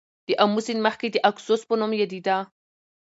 د آمو سیند مخکې د آکوسس په نوم یادیده.